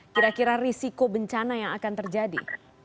kira kira risiko bencana yang akan terjadi